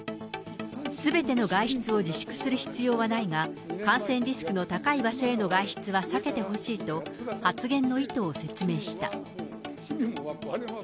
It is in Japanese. すべての外出を自粛する必要はないが、感染リスクの高い場所への外出は避けてほしいと、発言の意図を説明した。